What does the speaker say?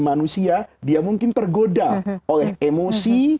manusia dia mungkin tergoda oleh emosi